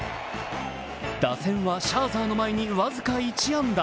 打線はシャーザーの前に僅か１安打。